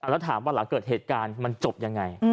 แล้วถามว่าหลังเกิดเหตุการณ์มันจบยังไง